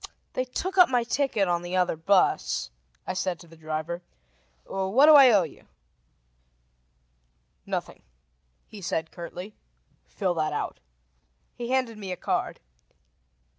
"They took up my ticket on the other bus," I said to the driver. "What do I owe you?" "Nothing," he said curtly. "Fill that out." He handed me a card.